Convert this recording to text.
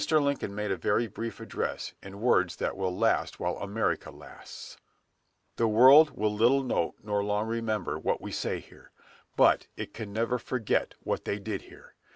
Lincoln made a very brief address, in words that will last while America lasts, "The world will little note, nor long remember, what we say here; but it can never forget what they did here.